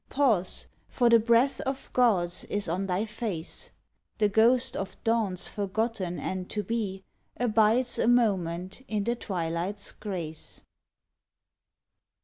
Pause, for the breath of gods is on thy face! The ghost of dawns forgotten and to be Abides a moment in the twilight's grace.